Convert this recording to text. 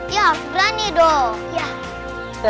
iya mas beni dong